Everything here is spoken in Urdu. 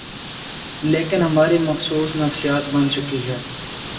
لیکن ہماری مخصوص نفسیات بن چکی ہے۔